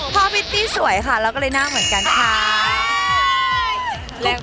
พ่อปิตตี้สวยค่ะและเรร่าหน้าเหมือนกันครับ